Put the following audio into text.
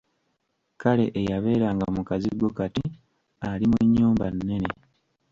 Kale eyabeeranga mu kazigo kati ali mu nnyumba nnene!